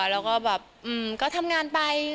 แล้วก็ทำงานไป